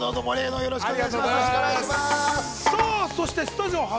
◆よろしくお願いします。